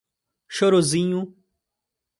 Chorozinho